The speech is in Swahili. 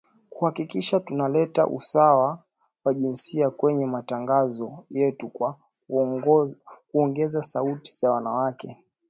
kuhakikisha tuna leta usawa wa jinsia kwenye matangazo yetu kwa kuongeza sauti za wanawake